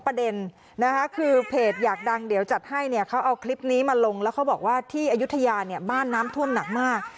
ประเด็นนะคะคือเพจอยากดังเดี๋ยวจัดให้เนี่ยเขาเอาคลิปนี้มาลงแล้วเขาบอกว่าที่อายุทยาเนี่ยบ้านน้ำท่วมหนักมาก